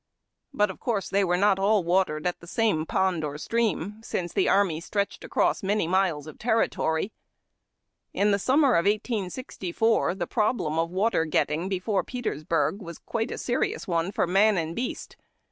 But of course they were not all watered at the same pond or stream, since the army stretched across many miles of territory. In the summer of 1861, the problem of water o etting before Petersburg was quite a serious one for man and beast.